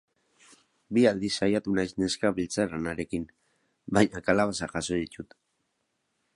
Bi aldiz saiatu naiz neska beltzaranarekin, baina kalabazak jaso ditut.